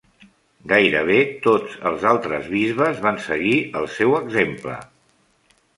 Gairebé tots els altres bisbes van seguir el seu exemple.